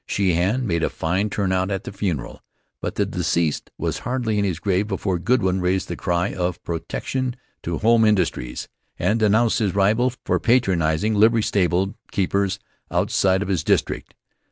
Sheehan made a fine turnout at the funeral, but the deceased was hardly in his grave before Goodwin raised the cry of "Protection to home industries," and denounced his rival for patronizing livery stable keepers outside of his district.